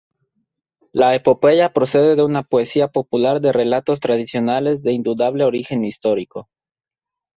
La epopeya procede de una poesía popular de relatos tradicionales de indudable origen histórico.